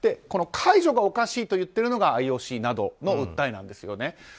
この解除がおかしいと言っているのがＩＯＣなどの訴えなんです。